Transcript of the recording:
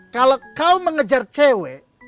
kalau kau mengejar cewek